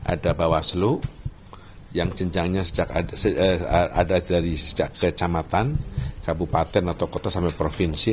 ada bawaslu yang jenjangnya sejak ada dari sejak kecamatan kabupaten atau kota sampai provinsi